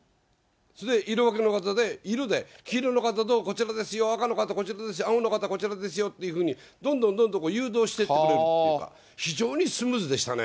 色分けの方で、色で、黄色の方、こちらですよ、赤の方、こちらですよ、青の方こちらですよというふうに、どんどん誘導していってくれるというか、非常にスムーズでしたね。